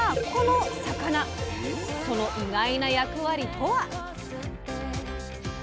その意外な役割とは？